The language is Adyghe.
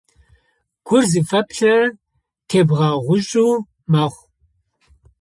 Гур зыфэплърэр тебгэгъошӏу мэхъу.